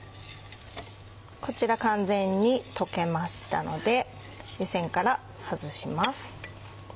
こちら完全に溶けましたので湯煎から外します。